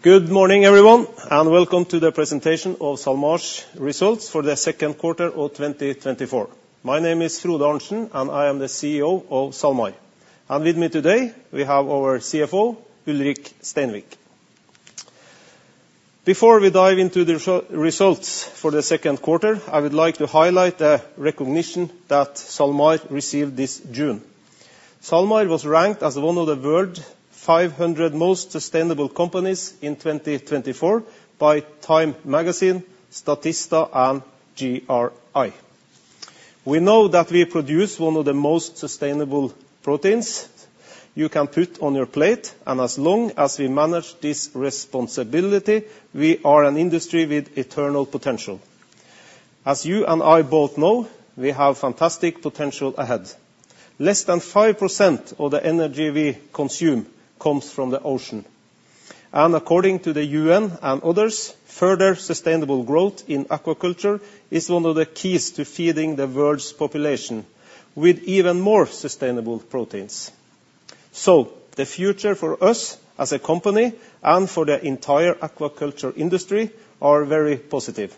Good morning, everyone, and Welcome to the presentation of SalMar's results for the second quarter of 2024. My name is Frode Arntsen, and I am the CEO of SalMar. And with me today, we have our CFO, Ulrik Steinvik. Before we dive into the results for the second quarter, I would like to highlight the recognition that SalMar received this June. SalMar was ranked as one of the world's 500 Most Sustainable Companies in 2024 by Time Magazine, Statista, and GRI. We know that we produce one of the most sustainable proteins you can put on your plate, and as long as we manage this responsibility, we are an industry with eternal potential. As you and I both know, we have fantastic potential ahead. Less than 5% of the energy we consume comes from the ocean, and according to the UN and others, further sustainable growth in aquaculture is one of the keys to feeding the world's population with even more sustainable proteins. So the future for us as a company and for the entire aquaculture industry are very positive.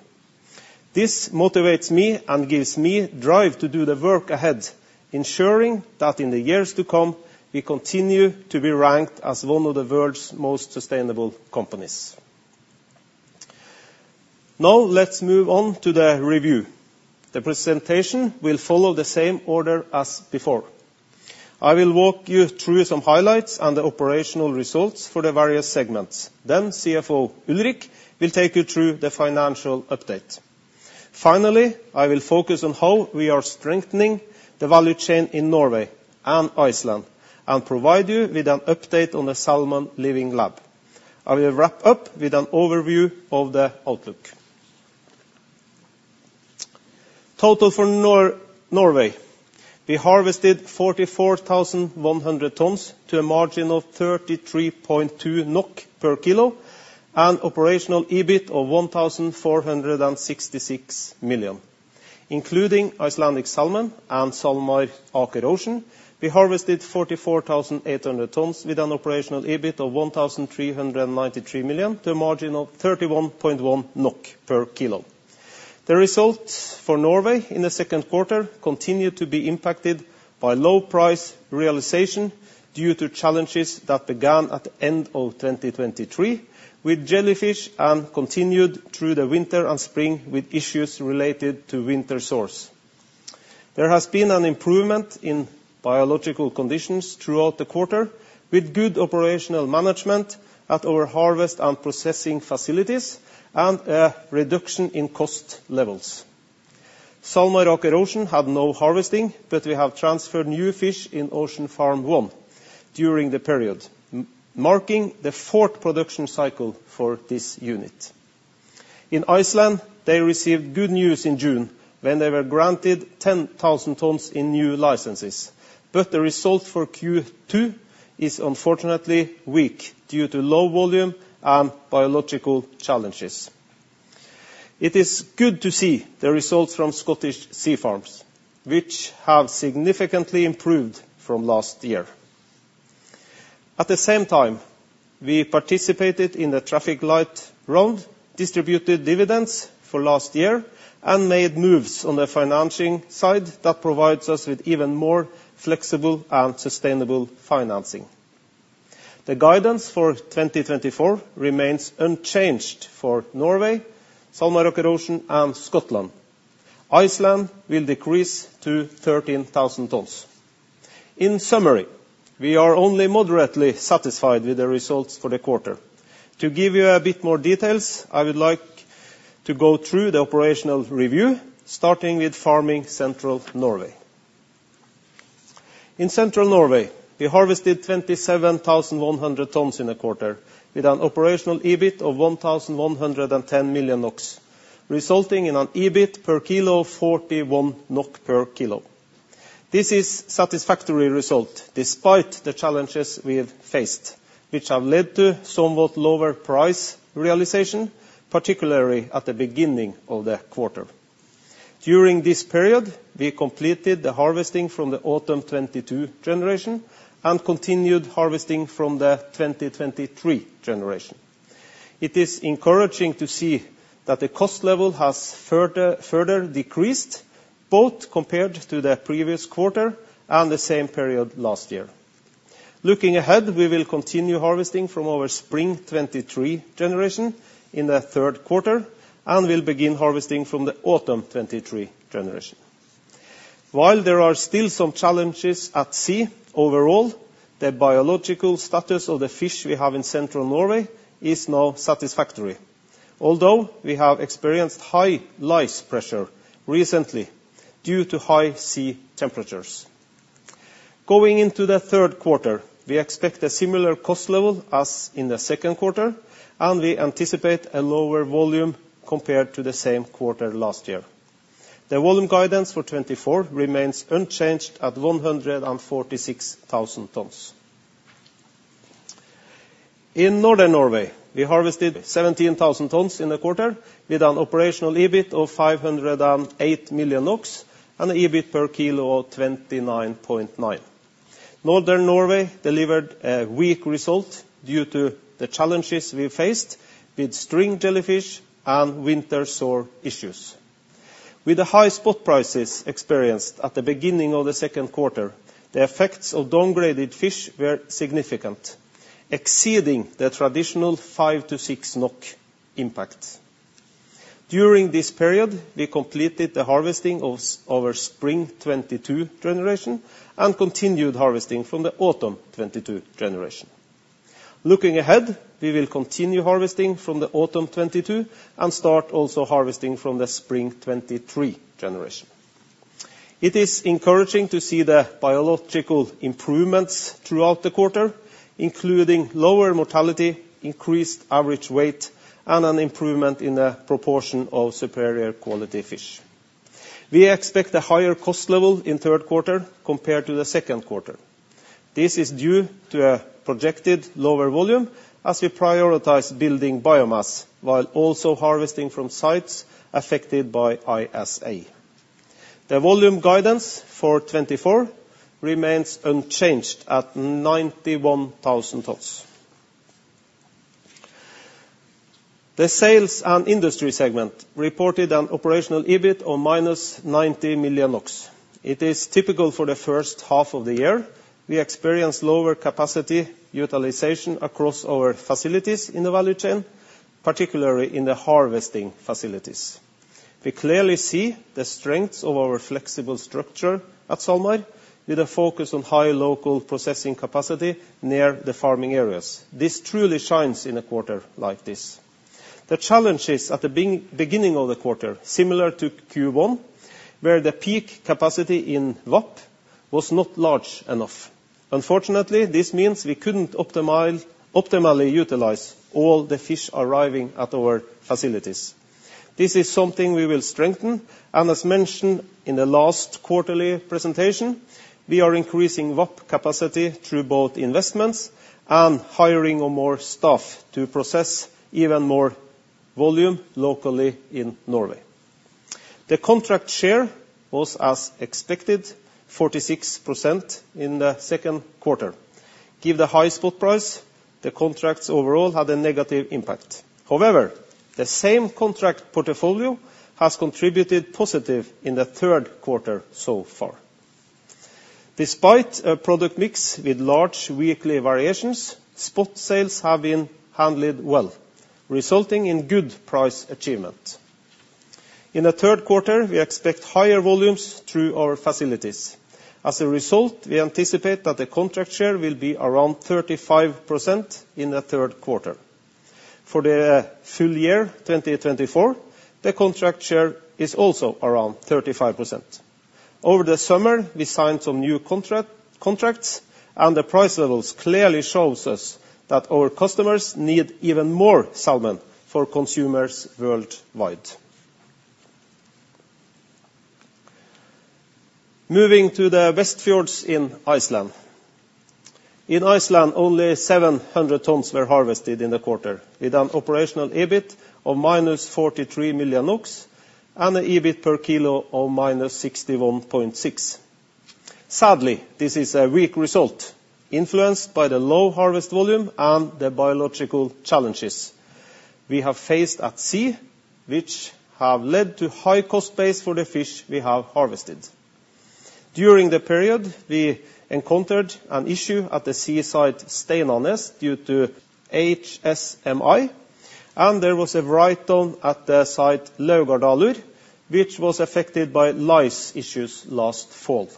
This motivates me and gives me drive to do the work ahead, ensuring that in the years to come, we continue to be ranked as one of the world's most sustainable companies. Now, let's move on to the review. The presentation will follow the same order as before. I will walk you through some highlights on the operational results for the various segments. Then CFO Ulrik will take you through the financial update. Finally, I will focus on how we are strengthening the value chain in Norway and Iceland, and provide you with an update on the Salmon Living Lab. I will wrap up with an overview of the outlook. Total for Norway, we harvested 44,100 tons to a margin of 33.2 NOK per kilo, and operational EBIT of 1,466 million. Including Icelandic Salmon and SalMar Aker Ocean, we harvested 44,800 tons with an operational EBIT of 1,393 million, to a margin of 31.1 NOK per kilo. The results for Norway in the second quarter continued to be impacted by low price realization due to challenges that began at the end of 2023, with jellyfish, and continued through the winter and spring with issues related to winter sores. There has been an improvement in biological conditions throughout the quarter, with good operational management at our harvest and processing facilities, and a reduction in cost levels. SalMar Aker Ocean had no harvesting, but we have transferred new fish in Ocean Farm 1 during the period, marking the fourth production cycle for this unit. In Iceland, they received good news in June when they were granted 10,000 tons in new licenses, but the results for Q2 is unfortunately weak due to low volume and biological challenges. It is good to see the results from Scottish Sea Farms, which have significantly improved from last year. At the same time, we participated in the traffic light round, distributed dividends for last year, and made moves on the financing side that provides us with even more flexible and sustainable financing. The guidance for 2024 remains unchanged for Norway, SalMar Aker Ocean, and Scotland. Iceland will decrease to 13,000 tons. In summary, we are only moderately satisfied with the results for the quarter. To give you a bit more details, I would like to go through the operational review, starting with farming Central Norway. In Central Norway, we harvested 27,100 tons in a quarter, with an operational EBIT of 1,110 million NOK, resulting in an EBIT per kilo, 41 NOK per kilo. This is satisfactory result, despite the challenges we have faced, which have led to somewhat lower price realization, particularly at the beginning of the quarter. During this period, we completed the harvesting from the autumn 2022 generation and continued harvesting from the 2023 generation. It is encouraging to see that the cost level has further decreased, both compared to the previous quarter and the same period last year. Looking ahead, we will continue harvesting from our spring 2023 generation in the third quarter, and we'll begin harvesting from the autumn 2023 generation. While there are still some challenges at sea, overall, the biological status of the fish we have in Central Norway is now satisfactory, although we have experienced high lice pressure recently due to high sea temperatures. Going into the third quarter, we expect a similar cost level as in the second quarter, and we anticipate a lower volume compared to the same quarter last year. The volume guidance for 2024 remains unchanged at 146,000 tons. In Northern Norway, we harvested 17,000 tons in the quarter, with an operational EBIT of 508 million NOK and an EBIT per kilo of 29.9. Northern Norway delivered a weak result due to the challenges we faced with string jellyfish and winter sores issues. With the high spot prices experienced at the beginning of the second quarter, the effects of downgraded fish were significant, exceeding the traditional 5-6 NOK impact. During this period, we completed the harvesting of our spring 2022 generation, and continued harvesting from the autumn 2022 generation. Looking ahead, we will continue harvesting from the autumn 2022, and start also harvesting from the spring 2023 generation. It is encouraging to see the biological improvements throughout the quarter, including lower mortality, increased average weight, and an improvement in the proportion of superior quality fish. We expect a higher cost level in third quarter compared to the second quarter. This is due to a projected lower volume, as we prioritize building biomass, while also harvesting from sites affected by ISA. The volume guidance for 2024 remains unchanged at 91,000 tons. The sales and industry segment reported an operational EBIT of -90 million NOK. It is typical for the first half of the year. We experienced lower capacity utilization across our facilities in the value chain, particularly in the harvesting facilities. We clearly see the strengths of our flexible structure at SalMar, with a focus on high local processing capacity near the farming areas. This truly shines in a quarter like this. The challenges at the beginning of the quarter, similar to Q1, where the peak capacity in VAP was not large enough. Unfortunately, this means we couldn't optimally utilize all the fish arriving at our facilities. This is something we will strengthen, and as mentioned in the last quarterly presentation, we are increasing VAP capacity through both investments and hiring of more staff to process even more volume locally in Norway. The contract share was, as expected, 46% in the second quarter. Given the high spot price, the contracts overall had a negative impact. However, the same contract portfolio has contributed positively in the third quarter so far. Despite a product mix with large weekly variations, spot sales have been handled well, resulting in good price achievement. In the third quarter, we expect higher volumes through our facilities. As a result, we anticipate that the contract share will be around 35% in the third quarter. For the full year 2024, the contract share is also around 35%. Over the summer, we signed some new contracts, and the price levels clearly show us that our customers need even more salmon for consumers worldwide. Moving to the Westfjords in Iceland. In Iceland, only 700 tons were harvested in the quarter, with an operational EBIT of -43 million NOK, and a EBIT per kilo of -61.6. Sadly, this is a weak result, influenced by the low harvest volume and the biological challenges we have faced at sea, which have led to high cost base for the fish we have harvested. During the period, we encountered an issue at the site Steinanes due to HSMI, and there was a write-down at the site Laugardalur, which was affected by lice issues last fall.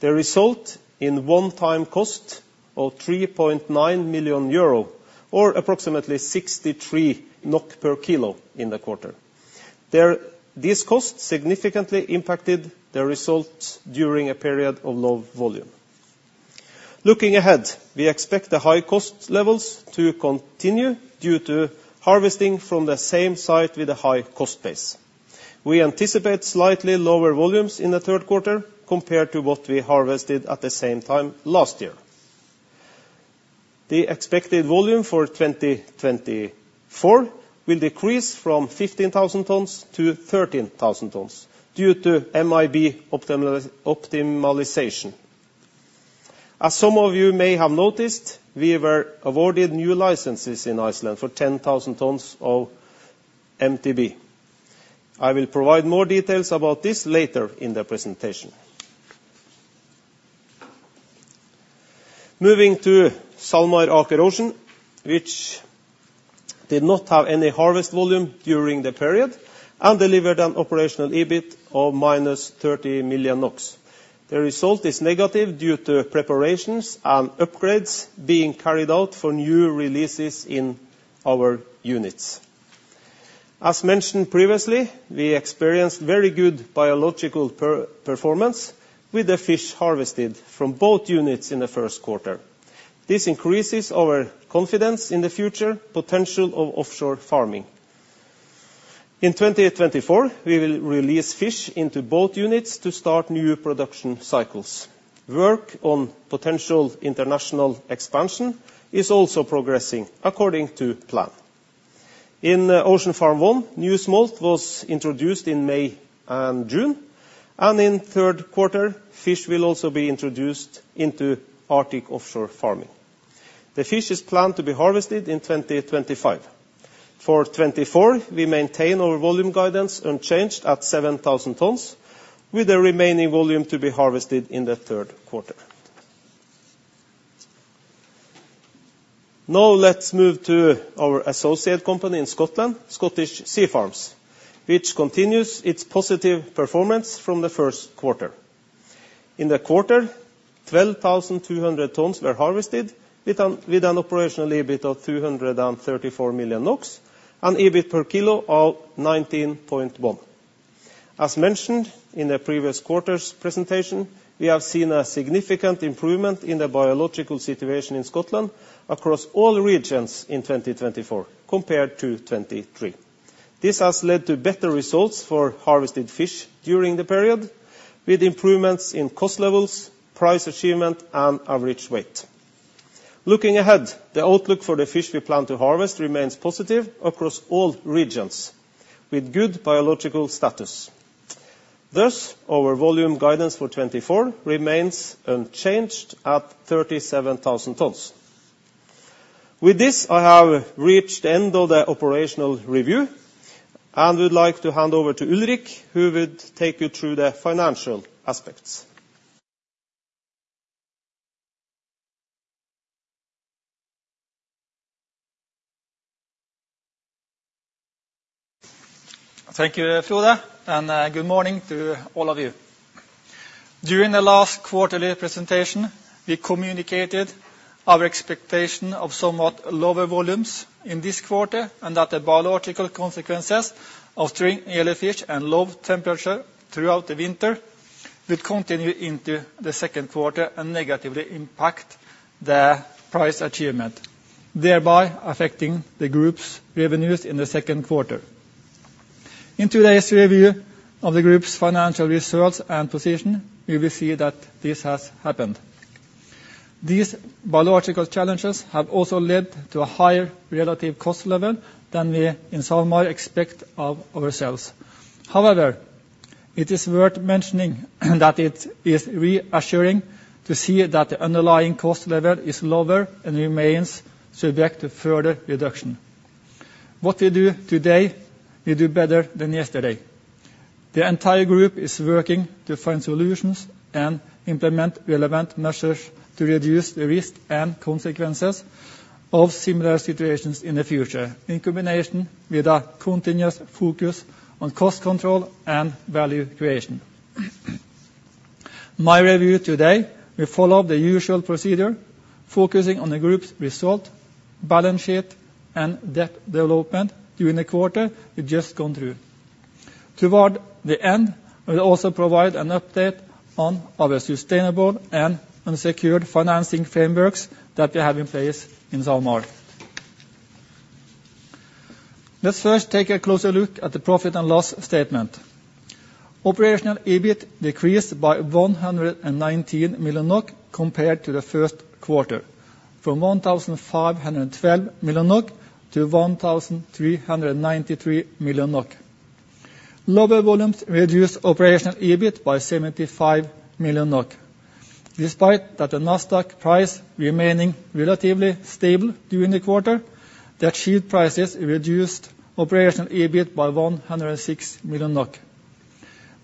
The result in one-time cost of 3.9 million euro, or approximately 63 NOK per kilo in the quarter. These costs significantly impacted the results during a period of low volume. Looking ahead, we expect the high cost levels to continue due to harvesting from the same site with a high cost base. We anticipate slightly lower volumes in the third quarter compared to what we harvested at the same time last year. The expected volume for 2024 will decrease from 15,000 tons-13,000 tons due to MAB optimization. As some of you may have noticed, we were awarded new licenses in Iceland for 10,000 tons of MTB. I will provide more details about this later in the presentation. Moving to SalMar Aker Ocean, which did not have any harvest volume during the period, and delivered an operational EBIT of -30 million NOK. The result is negative due to preparations and upgrades being carried out for new releases in our units. As mentioned previously, we experienced very good biological performance with the fish harvested from both units in the first quarter. This increases our confidence in the future potential of offshore farming. In 2024 we will release fish into both units to start new production cycles. Work on potential international expansion is also progressing according to plan. In Ocean Farm 1, new smolt was introduced in May and June, and in third quarter, fish will also be introduced into Arctic Offshore Farming. The fish is planned to be harvested in 2025. For 2024, we maintain our volume guidance unchanged at seven thousand tons, with the remaining volume to be harvested in the third quarter. Now, let's move to our associate company in Scotland, Scottish Sea Farms, which continues its positive performance from the first quarter. In the quarter, 12,200 tons were harvested, with an operational EBIT of 334 million NOK, and EBIT per kilo of 19.1. As mentioned in the previous quarter's presentation, we have seen a significant improvement in the biological situation in Scotland across all regions in 2024 compared to 2023. This has led to better results for harvested fish during the period, with improvements in cost levels, price achievement, and average weight. Looking ahead, the outlook for the fish we plan to harvest remains positive across all regions, with good biological status. Thus, our volume guidance for 2024 remains unchanged at 37,000 tons. With this, I have reached the end of the operational review, and would like to hand over to Ulrik, who will take you through the financial aspects. Thank you, Frode, and good morning to all of you. During the last quarterly presentation, we communicated our expectation of somewhat lower volumes in this quarter, and that the biological consequences of string jellyfish and low temperature throughout the winter would continue into the second quarter and negatively impact the price achievement, thereby affecting the group's revenues in the second quarter. In today's review of the group's financial results and position, we will see that this has happened. These biological challenges have also led to a higher relative cost level than we in SalMar expect of ourselves. However, it is worth mentioning that it is reassuring to see that the underlying cost level is lower and remains subject to further reduction. What we do today, we do better than yesterday. The entire group is working to find solutions and implement relevant measures to reduce the risk and consequences of similar situations in the future, in combination with a continuous focus on cost control and value creation. My review today will follow the usual procedure, focusing on the group's result, balance sheet, and debt development during the quarter we've just gone through. Toward the end, I will also provide an update on our sustainable and unsecured financing frameworks that we have in place in SalMar. Let's first take a closer look at the profit and loss statement. Operational EBIT decreased by 119 million NOK compared to the first quarter, from 1,512 million-1,393 million NOK. Lower volumes reduced operational EBIT by 75 million NOK. Despite that, the NASDAQ price remaining relatively stable during the quarter, the achieved prices reduced operational EBIT by 106 million NOK.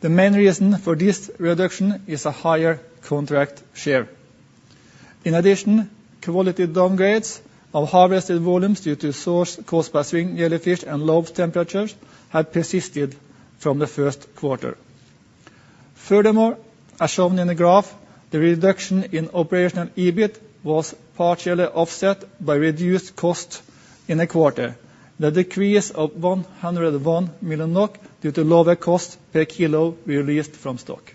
The main reason for this reduction is a higher contract share. In addition, quality downgrades of harvested volumes due to sores caused by string jellyfish and low temperatures have persisted from the first quarter. Furthermore, as shown in the graph, the reduction in operational EBIT was partially offset by reduced costs in the quarter. The decrease of 101 million NOK due to lower cost per kilo released from stock.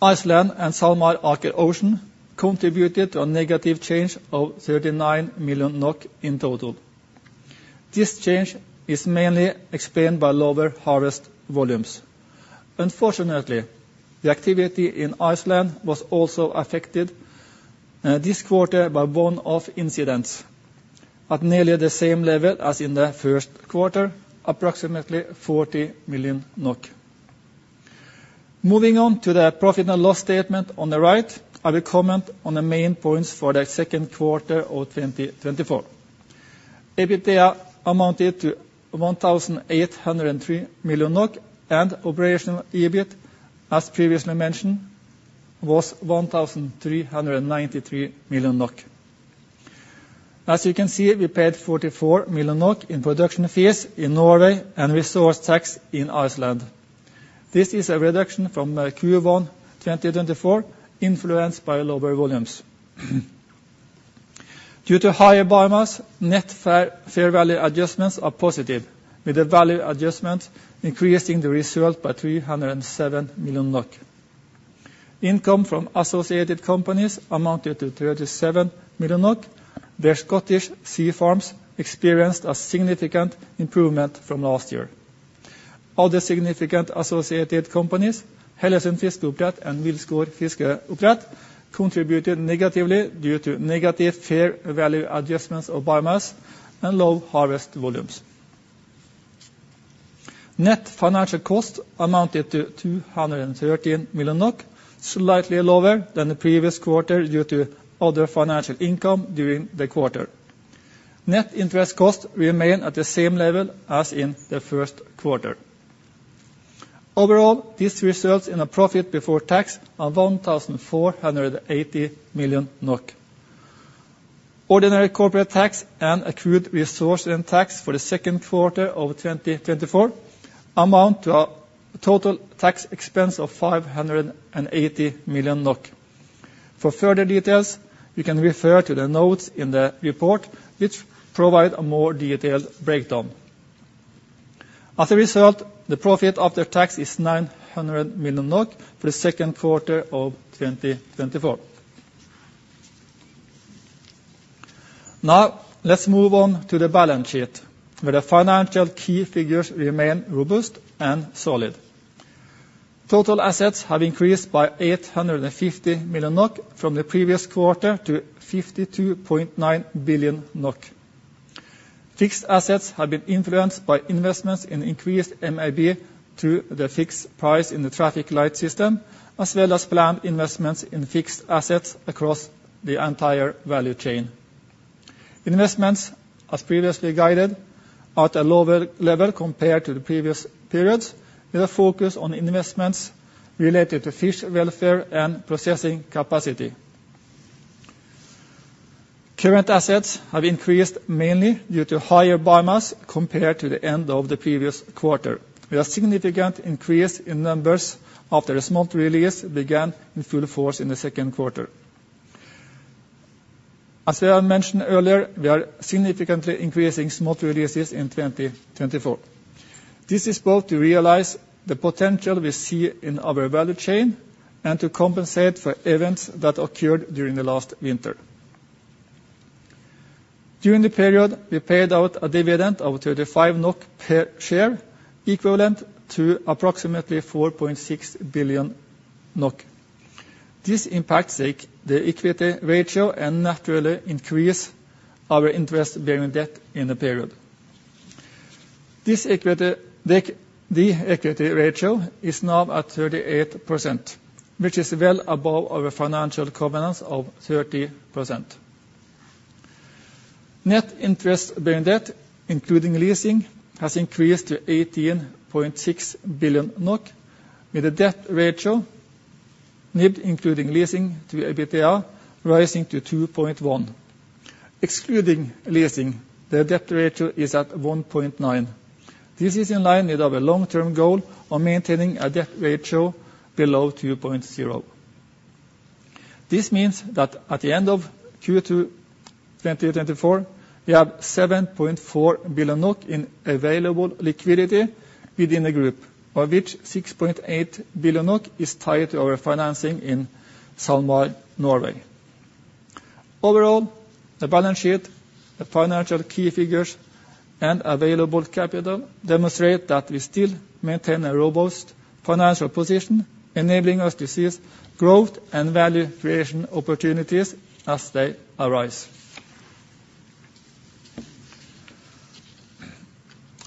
Iceland and SalMar Aker Ocean contributed to a negative change of 39 million NOK in total. This change is mainly explained by lower harvest volumes. Unfortunately, the activity in Iceland was also affected this quarter by one-off incidents at nearly the same level as in the first quarter, approximately 40 million NOK. Moving on to the profit and loss statement on the right, I will comment on the main points for the second quarter of 2024. EBITDA amounted to 1,803 million NOK, and operational EBIT, as previously mentioned, was 1,393 million NOK. As you can see, we paid 44 million NOK in production fees in Norway and resource tax in Iceland. This is a reduction from Q1 2024, influenced by lower volumes. Due to higher biomass, net fair value adjustments are positive, with the value adjustment increasing the result by 307 million. Income from associated companies amounted to 37 million, where Scottish Sea Farms experienced a significant improvement from last year. Other significant associated companies, Hellesund Fiskeoppdrett and Wilsgård Fiskeoppdrett, contributed negatively due to negative fair value adjustments of biomass and low harvest volumes. Net financial costs amounted to 213 million, slightly lower than the previous quarter due to other financial income during the quarter. Net interest costs remain at the same level as in the first quarter. Overall, this results in a profit before tax of 1,480 million NOK. Ordinary corporate tax and accrued resource rent tax for the second quarter of 2024 amount to a total tax expense of 580 million NOK. For further details, you can refer to the notes in the report, which provide a more detailed breakdown. As a result, the profit after tax is 900 million NOK for the second quarter of 2024. Now, let's move on to the balance sheet, where the financial key figures remain robust and solid. Total assets have increased by 850 million NOK from the previous quarter to 52.9 billion NOK. Fixed assets have been influenced by investments in increased MAB to the fixed price in the traffic light system, as well as planned investments in fixed assets across the entire value chain. Investments, as previously guided, are at a lower level compared to the previous periods, with a focus on investments related to fish welfare and processing capacity. Current assets have increased mainly due to higher biomass compared to the end of the previous quarter, with a significant increase in numbers after a smolt release began in full force in the second quarter. As I have mentioned earlier, we are significantly increasing smolt releases in 2024. This is both to realize the potential we see in our value chain and to compensate for events that occurred during the last winter. During the period, we paid out a dividend of 35 NOK per share, equivalent to approximately 4.6 billion NOK. This impacts the equity ratio and naturally increase our interest-bearing debt in the period. The equity ratio is now at 38%, which is well above our financial covenants of 30%. Net interest-bearing debt, including leasing, has increased to 18.6 billion NOK, with a debt ratio, NIBD, including leasing to EBITDA, rising to 2.1. Excluding leasing, the debt ratio is at 1.9. This is in line with our long-term goal of maintaining a debt ratio below 2.0. This means that at the end of Q2 2024, we have 7.4 billion NOK in available liquidity within the group, of which 6.8 billion NOK is tied to our financing in SalMar, Norway. Overall, the balance sheet, the financial key figures, and available capital demonstrate that we still maintain a robust financial position, enabling us to seize growth and value creation opportunities as they arise.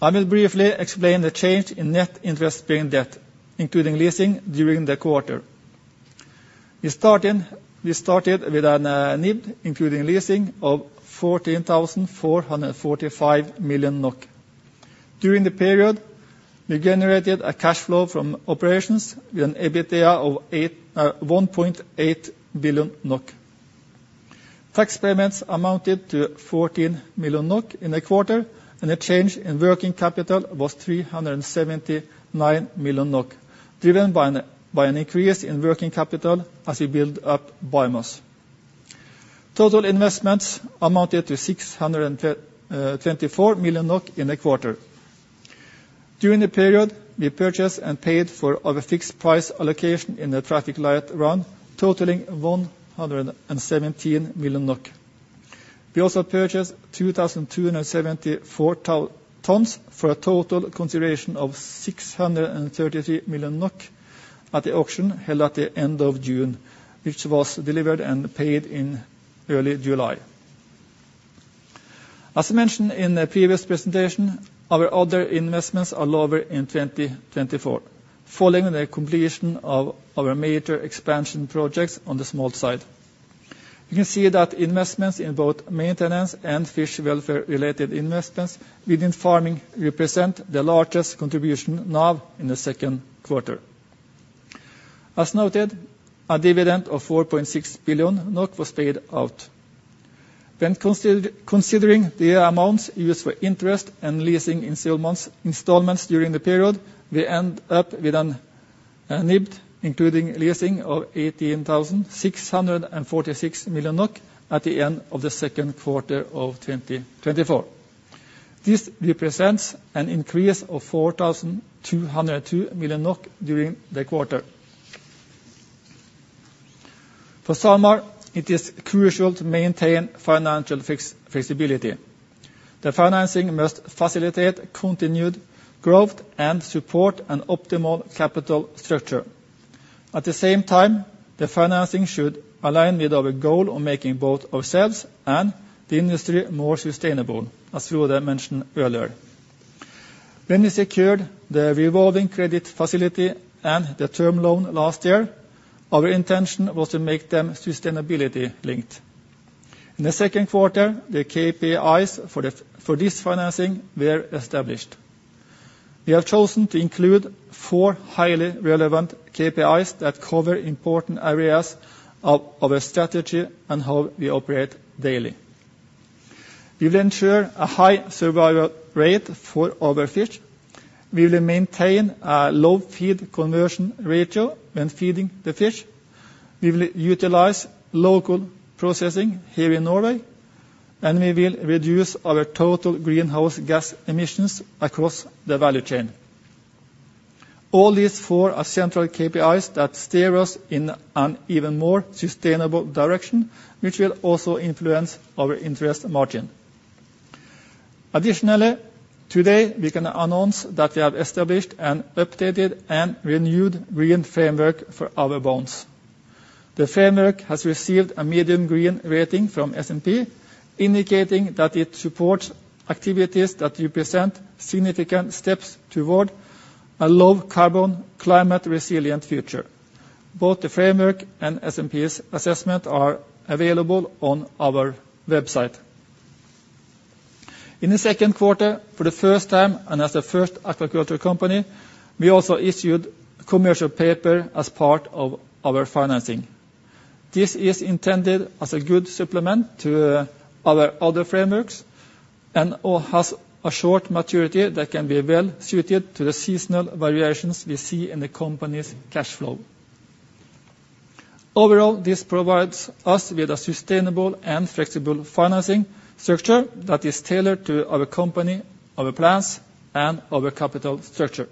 I will briefly explain the change in net interest-bearing debt, including leasing during the quarter. We started with an NIBD, including leasing of 14,445 million NOK. During the period, we generated a cash flow from operations with an EBITDA of one point 1.8 billion NOK. Tax payments amounted to 14 million NOK in the quarter, and the change in working capital was 379 million NOK, driven by an increase in working capital as we build up biomass. Total investments amounted to 624 million in the quarter. During the period, we purchased and paid for our fixed price allocation in the traffic light round, totaling 117 million NOK. We also purchased 2,274 tons for a total consideration of 633 million NOK at the auction held at the end of June, which was delivered and paid in early July. As mentioned in the previous presentation, our other investments are lower in 2024, following the completion of our major expansion projects on the smolt side. You can see that investments in both maintenance and fish welfare-related investments within farming represent the largest contribution now in the second quarter. As noted, a dividend of 4.6 billion NOK was paid out. When considering the amounts used for interest and leasing installments during the period, we end up with an NIBD, including leasing, of 18,646 million NOK at the end of the second quarter of 2024. This represents an increase of 4,202 million NOK during the quarter. For SalMar, it is crucial to maintain financial flexibility. The financing must facilitate continued growth and support an optimal capital structure. At the same time, the financing should align with our goal of making both ourselves and the industry more sustainable, as Frode mentioned earlier. When we secured the revolving credit facility and the term loan last year, our intention was to make them sustainability linked. In the second quarter, the KPIs for this financing were established. We have chosen to include four highly relevant KPIs that cover important areas of our strategy and how we operate daily. We will ensure a high survival rate for our fish. We will maintain a low feed conversion ratio when feeding the fish. We will utilize local processing here in Norway, and we will reduce our total greenhouse gas emissions across the value chain. All these four are central KPIs that steer us in an even more sustainable direction, which will also influence our interest margin. Additionally, today, we can announce that we have established an updated and renewed Green Framework for our bonds. The framework has received a medium green rating from S&P, indicating that it supports activities that represent significant steps toward a low-carbon, climate-resilient future. Both the framework and S&P's assessment are available on our website. In the second quarter, for the first time, and as a first aquaculture company, we also issued commercial paper as part of our financing. This is intended as a good supplement to our other frameworks, and/or has a short maturity that can be well suited to the seasonal variations we see in the company's cash flow. Overall, this provides us with a sustainable and flexible financing structure that is tailored to our company, our plans, and our capital structure.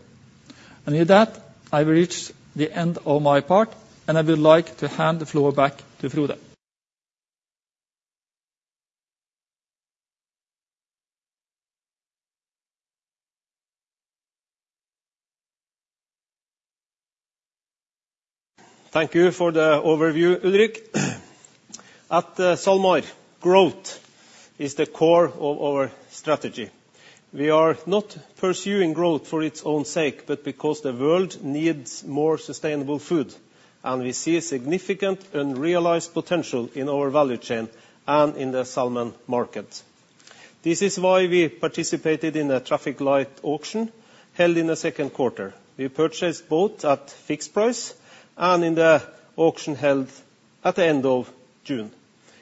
And with that, I've reached the end of my part, and I would like to hand the floor back to Frode. Thank you for the overview, Ulrik. At SalMar, growth is the core of our strategy. We are not pursuing growth for its own sake, but because the world needs more sustainable food, and we see a significant and realized potential in our value chain and in the salmon market. This is why we participated in the traffic light auction held in the second quarter. We purchased both at fixed price and in the auction held at the end of June.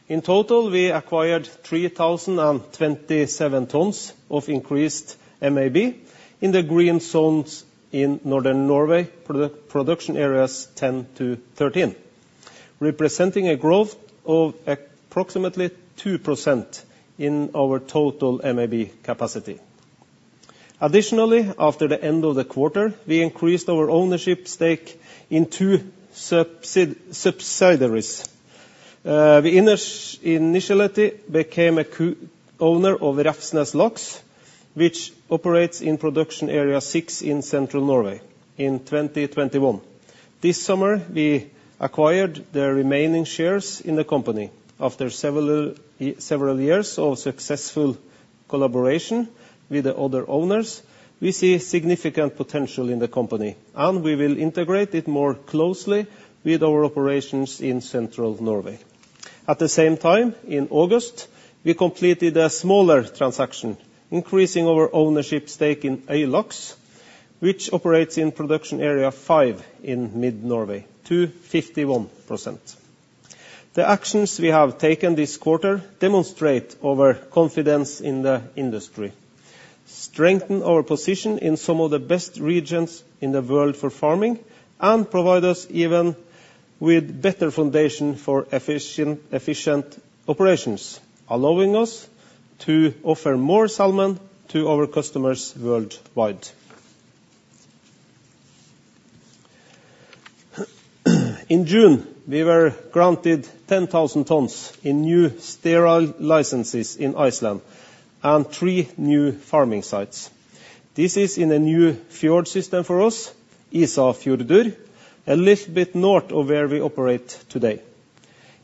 In total, we acquired 3,027 tons of increased MAB in the green zones in Northern Norway, Production Areas 10 to 13, representing a growth of approximately 2% in our total MAB capacity. Additionally, after the end of the quarter, we increased our ownership stake in two subsidiaries. We initially became a co-owner of Refnes Laks, which operates in Production Area 6 in Central Norway in 2021. This summer, we acquired the remaining shares in the company. After several years of successful collaboration with the other owners, we see significant potential in the company, and we will integrate it more closely with our operations in Central Norway. At the same time, in August, we completed a smaller transaction, increasing our ownership stake in Øylaks, which operates in Production Area 5 in Central Norway, to 51%. The actions we have taken this quarter demonstrate our confidence in the industry, strengthen our position in some of the best regions in the world for farming, and provide us even with better foundation for efficient operations, allowing us to offer more salmon to our customers worldwide. In June, we were granted ten thousand tons in new sterile licenses in Iceland and three new farming sites. This is in a new Fjord system for us, Ísafjörður, a little bit north of where we operate today.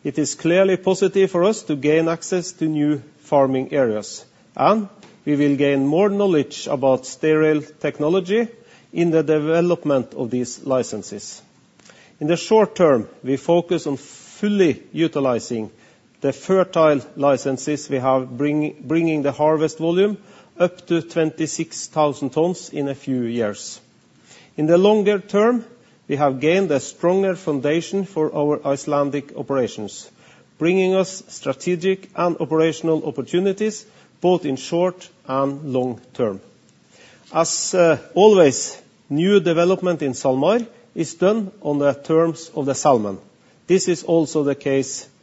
It is clearly positive for us to gain access to new farming areas, and we will gain more knowledge about sterile technology in the development of these licenses. In the short term, we focus on fully utilizing the fertile licenses we have, bringing the harvest volume up to 26,000 tons in a few years. In the longer term, we have gained a stronger foundation for our Icelandic operations, bringing us strategic and operational opportunities, both in short and long term. As always, new development in SalMar is done on the terms of the salmon. This is also the case here.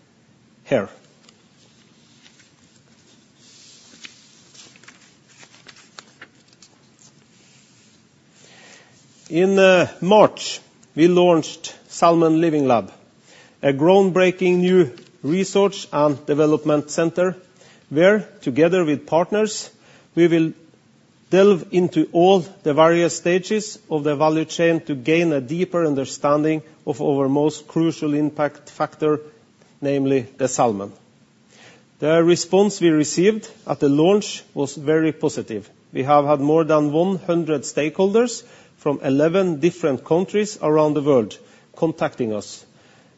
In March, we launched Salmon Living Lab, a groundbreaking new research and development center, where together with partners, we will delve into all the various stages of the value chain to gain a deeper understanding of our most crucial impact factor, namely the salmon. The response we received at the launch was very positive. We have had more than one hundred stakeholders from eleven different countries around the world contacting us,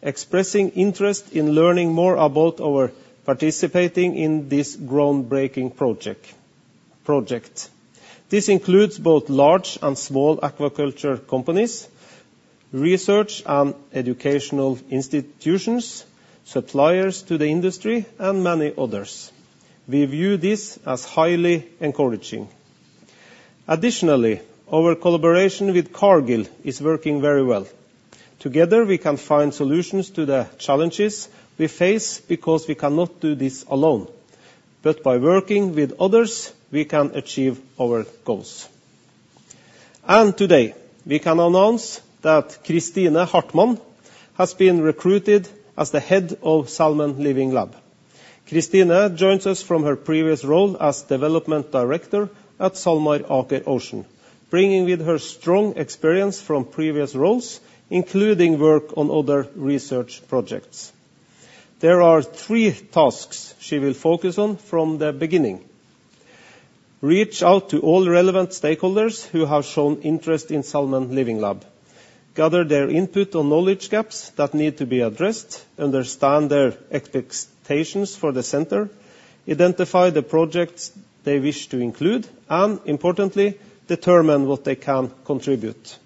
expressing interest in learning more about our participating in this groundbreaking project. This includes both large and small aquaculture companies, research and educational institutions, suppliers to the industry, and many others. We view this as highly encouraging. Additionally, our collaboration with Cargill is working very well. Together, we can find solutions to the challenges we face, because we cannot do this alone. But by working with others, we can achieve our goals. Today, we can announce that Kristine Hartmann has been recruited as the Head of Salmon Living Lab. Kristine joins us from her previous role as Development Director at SalMar Aker Ocean, bringing with her strong experience from previous roles, including work on other research projects. There are three tasks she will focus on from the beginning: Reach out to all relevant stakeholders who have shown interest in Salmon Living Lab, gather their input on knowledge gaps that need to be addressed, understand their expectations for the center, identify the projects they wish to include, and importantly, determine what they can contribute.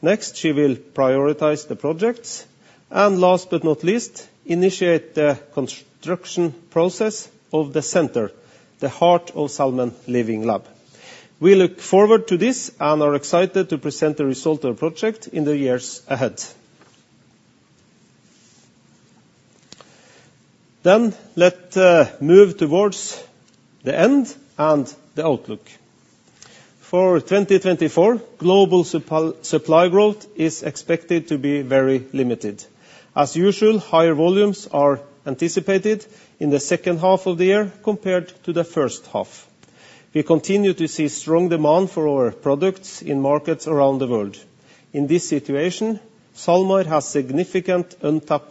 Next, she will prioritize the projects, and last but not least, initiate the construction process of the center, the heart of Salmon Living Lab. We look forward to this, and are excited to present the result of the project in the years ahead. Then let's move towards the end and the outlook. For 2024, global supply growth is expected to be very limited. As usual, higher volumes are anticipated in the second half of the year compared to the first half. We continue to see strong demand for our products in markets around the world. In this situation, SalMar has significant untapped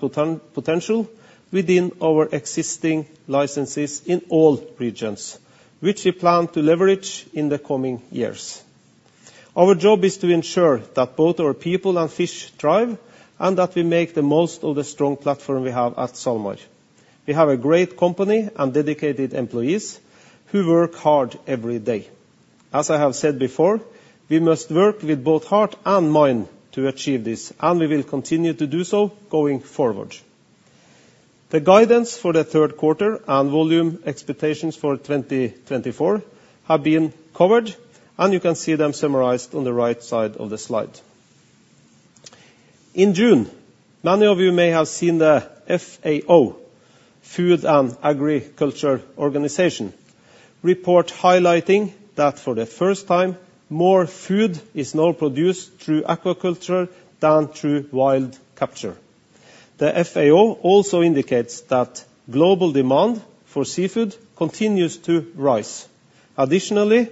potential within our existing licenses in all regions, which we plan to leverage in the coming years. Our job is to ensure that both our people and fish thrive, and that we make the most of the strong platform we have at SalMar. We have a great company and dedicated employees who work hard every day. As I have said before, we must work with both heart and mind to achieve this, and we will continue to do so going forward. The guidance for the third quarter and volume expectations for 2024 have been covered, and you can see them summarized on the right side of the slide. In June, many of you may have seen the FAO, Food and Agriculture Organization, report highlighting that for the first time, more food is now produced through aquaculture than through wild capture. The FAO also indicates that global demand for seafood continues to rise. Additionally,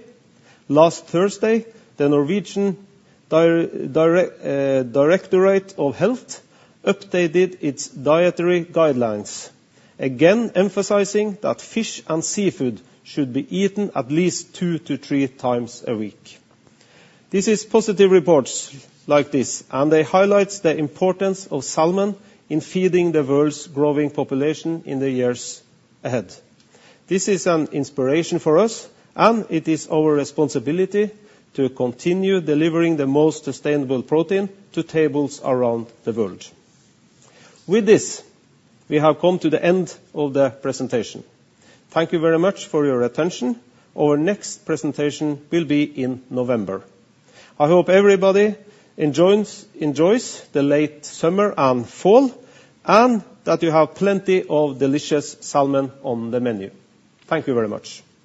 last Thursday, the Norwegian Directorate of Health updated its dietary guidelines, again, emphasizing that fish and seafood should be eaten at least two to three times a week. This is positive reports like this, and they highlight the importance of salmon in feeding the world's growing population in the years ahead. This is an inspiration for us, and it is our responsibility to continue delivering the most sustainable protein to tables around the world. With this, we have come to the end of the presentation. Thank you very much for your attention. Our next presentation will be in November. I hope everybody enjoys the late summer and fall, and that you have plenty of delicious salmon on the menu. Thank you very much.